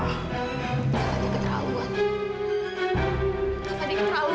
kak fadil keterauan